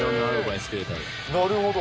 なるほど。